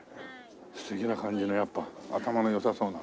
素敵な感じのやっぱ頭の良さそうな。